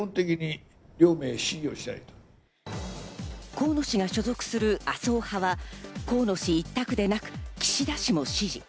河野氏が所属する麻生派は河野氏１択ではなく、岸田氏も支持。